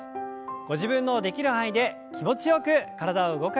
ご自分のできる範囲で気持ちよく体を動かしていきましょう。